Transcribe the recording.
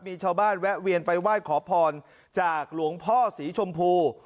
มีชาวบ้านแวะเวียนไปไหว้ขอพรจากหลวงพ่อสีชมพู